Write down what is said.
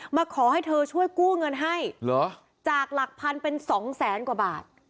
มาขอให้เธอช่วยกู้เงินให้เหรอจากหลักพันเป็นสองแสนกว่าบาท